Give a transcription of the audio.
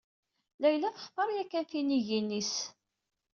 Layla textar yakan tinigin-is.